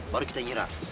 baru kita nyerah